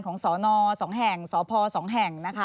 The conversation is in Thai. ของสอนอสองแห่งสอพอสองแห่ง